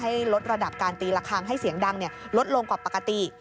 ลดระดับการตีละครั้งให้เสียงดังลดลงกว่าปกติ